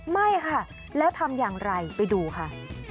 ไม่ค่ะแล้วทำอย่างไรไปดูค่ะ